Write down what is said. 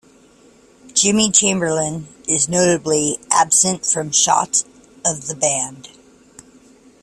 Jimmy Chamberlin is notably absent from shots of the band.